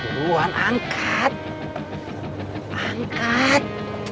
buah angkat angkat